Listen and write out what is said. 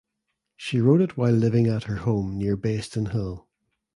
She wrote it while living at her home near Bayston Hill.